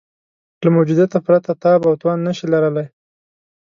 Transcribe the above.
له موجودیته پرته تاب او توان نه شي لرلای.